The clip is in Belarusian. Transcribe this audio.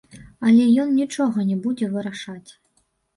Але ён нічога не будзе вырашаць.